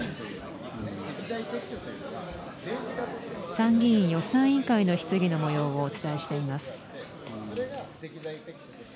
参議院予算委員会の質疑のもようをお伝えしています。